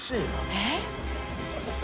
えっ？